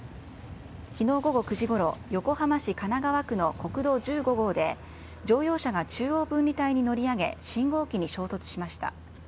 きのう午後９時ごろ、横浜市神奈川区の国道１５号で、乗用車が中央分離帯に乗り上げ、信号機に衝突しました。